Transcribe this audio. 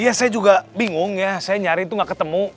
iya saya juga bingung ya saya nyari itu gak ketemu